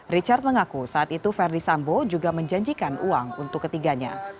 richard mengaku saat itu verdi sambo juga menjanjikan uang untuk ketiganya